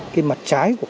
cái mặt trái của cái